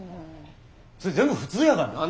それ全部普通やがな！